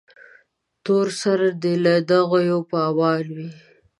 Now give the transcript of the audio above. تور سرې دې له غدیو په امان وي.